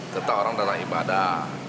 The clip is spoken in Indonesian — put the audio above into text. kita orang datang ibadah